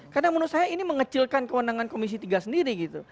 karena menurut saya ini mengecilkan kewenangan komisi tiga sendiri gitu